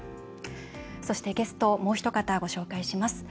そして、ゲストもうひと方、ご紹介します。